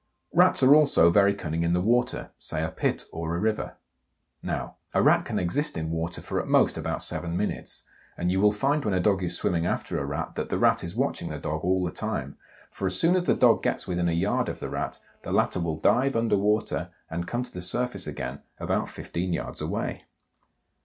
Rats are also very cunning in the water, say a pit or a river. Now, a Rat can exist in water for at most about seven minutes, and you will find when a dog is swimming after a Rat that the Rat is watching the dog all the time, for as soon as the dog gets within a yard of the Rat the latter will dive under water and come to the surface again about 15 yards away.